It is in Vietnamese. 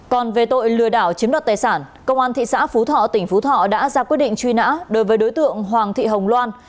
còn về tội lừa đảo chiếm đoạt tài sản công an thị xã phú thọ tỉnh phú thọ đã ra quyết định truy nã đối với đối tượng hoàng thị hồng loan